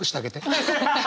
ハハハハ！